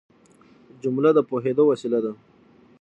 جمله د پوهېدو وسیله ده.